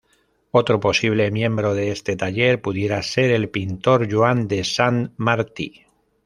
Otro posible miembro de este taller pudiera ser el pintor Joan de Sant Martí.